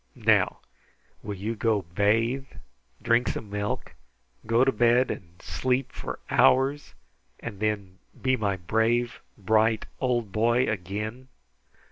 Now will you go bathe, drink some milk, go to bed, and sleep for hours, and then be my brave, bright old boy again?"